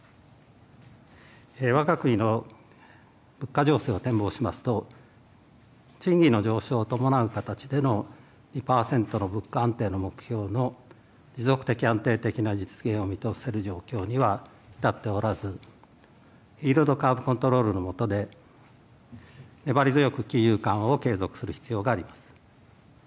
わが国の物価情勢を展望しますと、賃金の上昇を伴う形での２％の物価安定の目標の持続的、安定的な実現を見通せる状況には至っておらず、イールドカーブ・コントロールのもとで粘り強く金融緩和を継続する必要があります。